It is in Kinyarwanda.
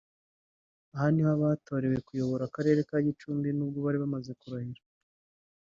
Aha niho abatorewe kuyobora Akarere ka Gicumbi ubwo bari bamaze kurahira